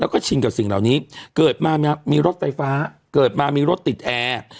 แล้วก็ชินกับสิ่งเหล่านี้เกิดมามีรถไฟฟ้าเกิดมามีรถติดแอร์